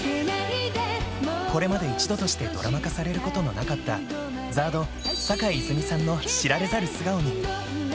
これまで一度としてドラマ化されることがなかった、ＺＡＲＤ・坂井泉水さんの知られざる素顔に。